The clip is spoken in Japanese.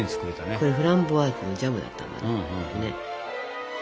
これフランボワーズのジャムだったね。